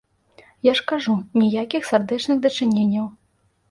Я ж кажу, ніякіх сардэчных дачыненняў.